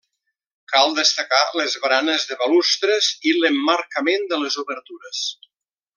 Cal destacar les baranes de balustres i l'emmarcament de les obertures.